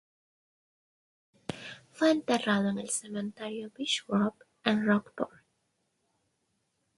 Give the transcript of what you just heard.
Fue enterrado en el Cementerio Beech Grove, en Rockport.